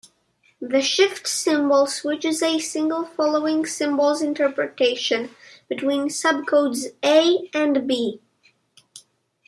The "Shift" symbol switches a single following symbol's interpretation between subcodes A and B.